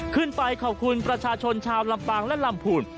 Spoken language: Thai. ขึ้นไปขอบคุณประชาชนชาวลำปางและลำพูน